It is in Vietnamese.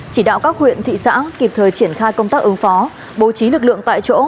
chỉ đạo các huyện thị xã kịp thời triển khai công tác ứng phó bố trí lực lượng tại chỗ